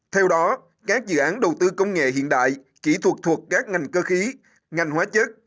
theo đó các dự án đầu tư công nghệ hiện đại kỹ thuật thuộc các ngành cơ khí ngành hóa chất